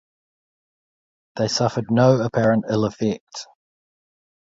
They suffered no apparent ill effects.